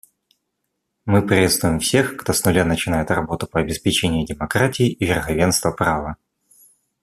Мы приветствуем всех, кто с нуля начинает работу по обеспечению демократии и верховенства права.